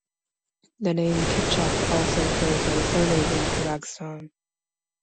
The name Kipchak also occurs as a surname in Kazakhstan.